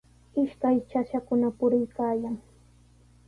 Ishkay chachakuna puriykaayan.